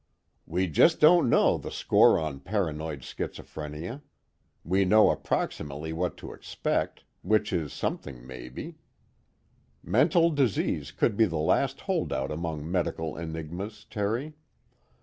"We just don't know the score on paranoid schizophrenia. We know approximately what to expect, which is something maybe. Mental disease could be the last holdout among medical enigmas, Terry.